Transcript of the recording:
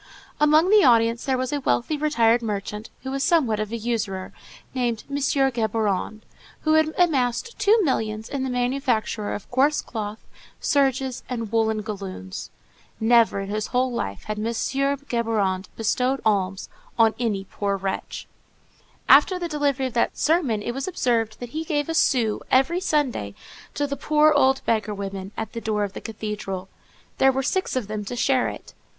Among the audience there was a wealthy retired merchant, who was somewhat of a usurer, named M. Géborand, who had amassed two millions in the manufacture of coarse cloth, serges, and woollen galloons. Never in his whole life had M. Géborand bestowed alms on any poor wretch. After the delivery of that sermon, it was observed that he gave a sou every Sunday to the poor old beggar women at the door of the cathedral. There were six of them to share it.